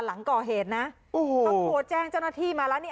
หลังก่อเหตุนะโอ้โหเขาโทรแจ้งเจ้าหน้าที่มาแล้วนี่